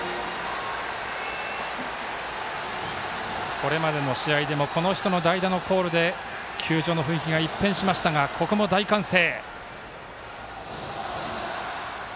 これまでの試合でもこの人の代打のコールで球場の雰囲気が一変しましたがここも大歓声。